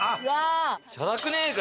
チャラくねえか？